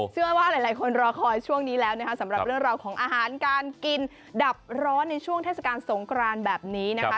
เชื่อว่าหลายคนรอคอยช่วงนี้แล้วนะคะสำหรับเรื่องราวของอาหารการกินดับร้อนในช่วงเทศกาลสงครานแบบนี้นะคะ